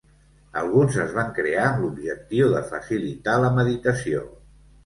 Alguns es van crear amb l'objectiu de facilitar la meditació.